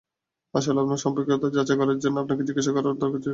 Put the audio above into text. আসলে, আপনার সম্পৃক্ততা যাচাই এর জন্য আপনাকে জিজ্ঞাসাবাদ করা দরকার।